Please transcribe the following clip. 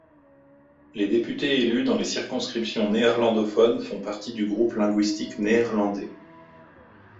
Les députés élus dans les circonscriptions néerlandophones font partie du groupe linguistique néerlandais.